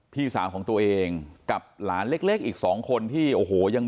พี่สาวของตัวเองกับหลานเล็กอีกสองคนที่โอ้โหยัง